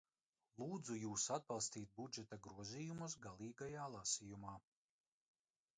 Lūdzu jūs atbalstīt budžeta grozījumus galīgajā lasījumā!